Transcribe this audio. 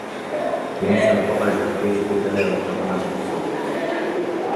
তিনি স্বল্পকাল ঢাকা বিশ্ববিদ্যালয়ে অধ্যাপনা করেছেন।